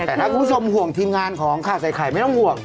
แต่ถ้าคุณผู้ชมห่วงทีมงานของข่าวใส่ไข่ไม่ต้องห่วง